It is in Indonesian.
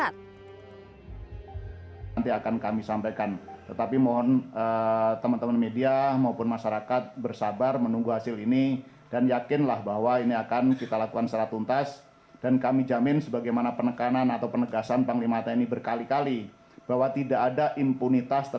tapi hukuman lebih berat